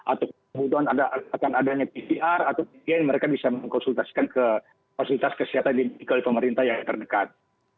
atau kemudian akan adanya pcr atau demikian mereka bisa mengkonsultasikan ke fasilitas kesehatan di pemerintah yang terdekat